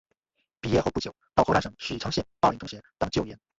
毕业后不久到河南省许昌县灞陵中学当教员。